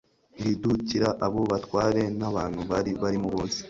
iridukira abo batware n abantu bari barimo bose